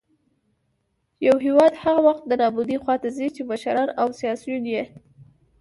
يـو هـېواد هـغه وخـت د نـابـودۍ خـواتـه ځـي ،چـې مـشران او سـياسيون يـې